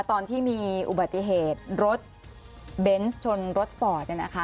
ตอนที่มีอุบัติเหตุรถเบนส์ชนรถฟอร์ดเนี่ยนะคะ